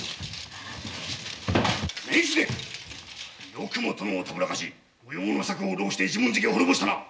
よくも殿をたぶらかし無用の策を弄して一文字家を滅ぼしたな！